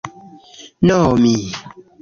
nomi